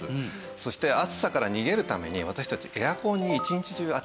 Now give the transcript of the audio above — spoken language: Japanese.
そして暑さから逃げるために私たちエアコンに一日中当たっています。